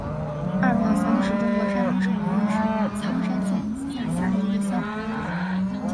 二庙乡是中国山东省临沂市苍山县下辖的一个乡。